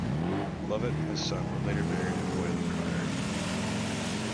Lovat and his son were later buried at Beauly Priory.